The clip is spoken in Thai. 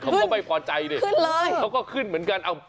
เขาก็ไม่ปลอดภัยเขาก็ขึ้นเหมือนกัน